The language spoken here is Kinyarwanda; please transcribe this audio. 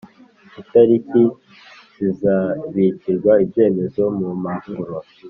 Itariki zizabikirwa ibyemezo mu mpapuro